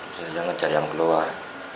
saya mengejar yang keluar